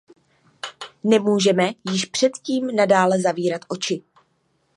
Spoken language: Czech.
Nemůžeme již před tím nadále zavírat oči.